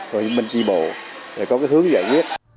rồi mình đi bộ để có cái hướng giải quyết